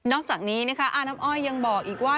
นอกจากนี้อานับอ้อยยังบอกอีกว่า